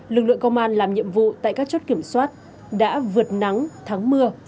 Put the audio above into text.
lực lượng công an làm nhiệm vụ tại các chốt kiểm soát đã vượt nắng thắng mưa